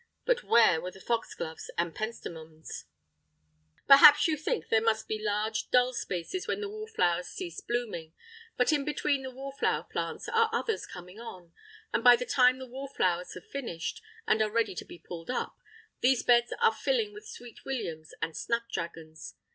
But where were the foxgloves and pentstemons? Perhaps you think there must be large, dull spaces when the wallflowers cease blooming, but in between the wallflower plants are others coming on, and by the time the wallflowers have finished—and are ready to be pulled up—these beds are filling with sweet williams and snapdragons.